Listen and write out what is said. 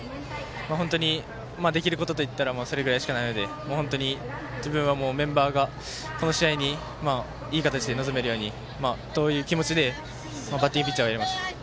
本当に、できることといったらそれぐらいしかないので本当に自分はもうメンバーがこの試合に、いい形で臨めるようにという気持ちでバッティングピッチャーをやりました。